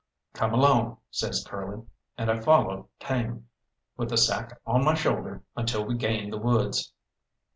"Come along," says Curly. And I followed tame, with the sack on my shoulder until we gained the woods.